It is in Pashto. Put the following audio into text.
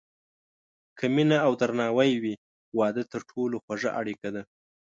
که مینه او درناوی وي، واده تر ټولو خوږه اړیکه ده.